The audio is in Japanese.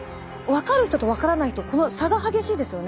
分かる人と分からない人この差が激しいですよね。